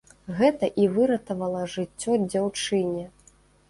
Гэта і выратавала жыццё дзяўчыне.